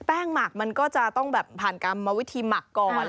หมักมันก็จะต้องแบบผ่านกรรมวิธีหมักก่อน